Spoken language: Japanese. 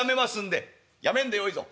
「やめんでよいぞ。